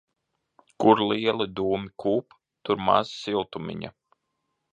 Kur lieli dūmi kūp, tur maz siltumiņa.